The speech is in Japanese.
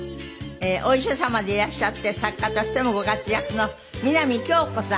お医者様でいらっしゃって作家としてもご活躍の南杏子さん。